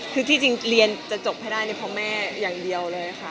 คือที่จริงเรียนจะจบให้ได้เนี่ยเพราะแม่อย่างเดียวเลยค่ะ